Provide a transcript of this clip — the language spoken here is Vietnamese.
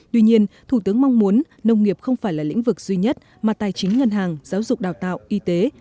tuy nhiên thủ tướng mong muốn nông nghiệp không phải là lĩnh vực duy nhất mà tài chính ngân hàng giáo dục đào tạo y tế